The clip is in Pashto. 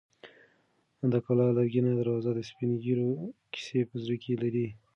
د کلا لرګینه دروازه د سپین ږیرو کیسې په زړه کې لري.